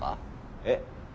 えっ？